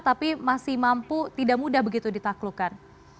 tapi masih mampu tidak mudah begitu ditaklukkan